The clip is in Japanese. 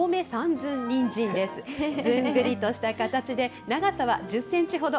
ずんぐりとした形で、長さは１０センチほど。